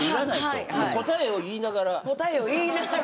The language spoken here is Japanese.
答えを言いながら。